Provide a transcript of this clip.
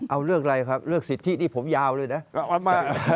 เอาเรื่องอะไรครับเรื่องสิทธินี่ผมยาวเลยนะ